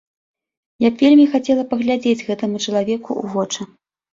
Я б вельмі хацела паглядзець гэтаму чалавеку ў вочы.